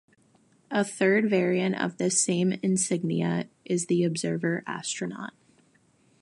A third variant of this same insignia is the Observer Astronaut.